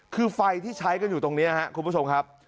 คือไฟที่ใช้กันอยู่ตรงนี้ครับคุณผู้ชมครับ